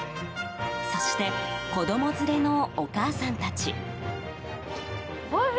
そして子供連れのお母さんたち。